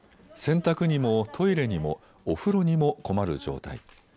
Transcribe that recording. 洗濯にもトイレにもお風呂にも困る状態。